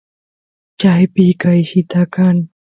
chayllapi qayllita kan